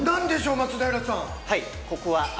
松平さん。